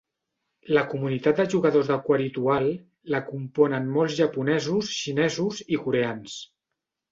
La comunitat de jugadors d'Aquaritual la componen molts japonesos, xinesos i coreans.